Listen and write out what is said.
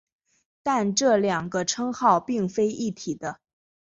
但这两个称号并非一体的。